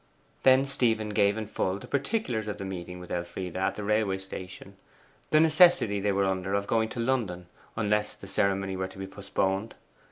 Then Stephen gave in full the particulars of the meeting with Elfride at the railway station; the necessity they were under of going to London, unless the ceremony were to be postponed.